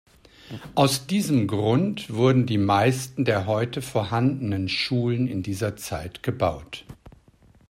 Aus diesem Grund wurden die meisten der heute vorhandenen Schulen in dieser Zeit gebaut.